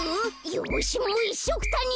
よしもういっしょくたに。